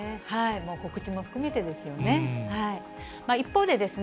告知も含めてですよね。